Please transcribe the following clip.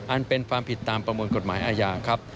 อันเป็นความผิดตามประมวลกฎหมายอาญาครับ